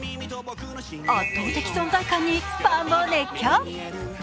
圧倒的存在感にファンも熱狂。